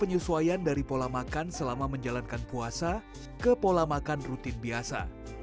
penyesuaian dari pola makan selama menjalankan puasa ke pola makan rutin biasa